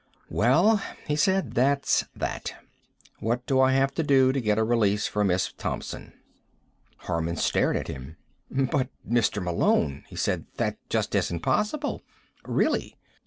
"Well," he said, "that's that. What do I have to do to get a release for Miss Thompson?" Harman stared at him. "But, Mr. Malone," he said, "that just isn't possible. Really.